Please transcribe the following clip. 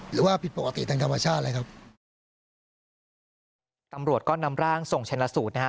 หรือว่าผิดปกติทางธรรมชาติเลยครับตำรวจก็นำร่างส่งชนะสูตรนะฮะ